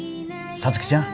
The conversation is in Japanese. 皐月ちゃん